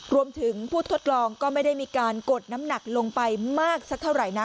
รวมถึงผู้ทดลองก็ไม่ได้มีการกดน้ำหนักลงไปมากสักเท่าไหร่นะ